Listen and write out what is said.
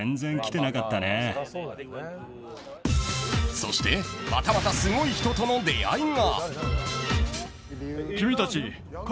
そして、またまたすごい人との出会いが。